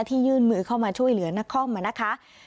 ยื่นมือเข้ามาช่วยเหลือนักคอมมานะคะ